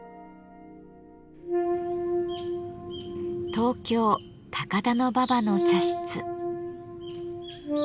東京・高田馬場の茶室。